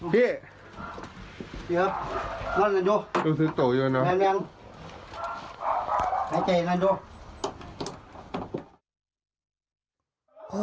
พี่นั่นหน่อยดูแม่งใจเย็นดู